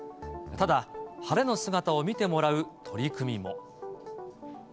ただ、晴れの姿を見てもらう取り組みも。